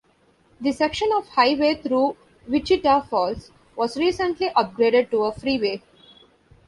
The section of highway through Wichita Falls was recently upgraded to a freeway.